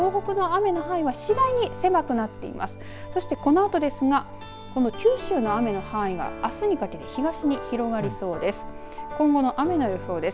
そして、このあとですが九州の雨の範囲があすにかけて東に広がりそうです。